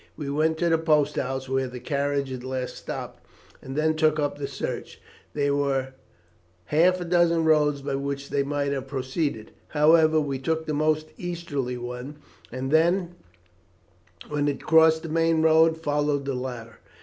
We went to the post house where the carriage had last stopped, and then took up the search. There were half a dozen roads by which they might have proceeded; however, we took the most easterly one, and then, when it crossed the main road, followed the latter.